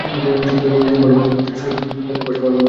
ভালর সহিত মন্দ ভারসাম্য রক্ষা করে।